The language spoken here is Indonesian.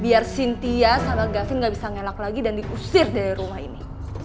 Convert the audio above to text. biar cynthia sama gavin gak bisa ngelak lagi dan diusir dari rumah ini